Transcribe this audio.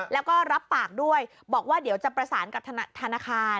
แล้วก็รับปากด้วยบอกว่าเดี๋ยวจะประสานกับธนาคาร